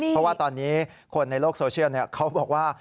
เพราะว่าตอนนี้คนในโลกโซเชียลเขาบอกว่า